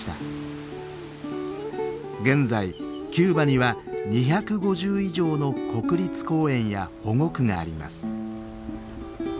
現在キューバには２５０以上の国立公園や保護区があります。